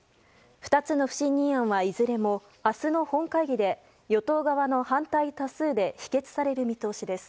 ２つの不信任案はいずれも明日の本会議で与党側の反対多数で否決される見通しです。